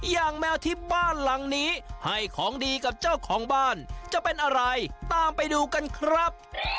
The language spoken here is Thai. แมวที่บ้านหลังนี้ให้ของดีกับเจ้าของบ้านจะเป็นอะไรตามไปดูกันครับ